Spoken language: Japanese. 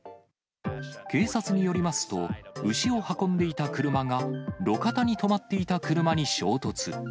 警察によりますと、牛を運んでいた車が路肩に止まっていた車に衝突。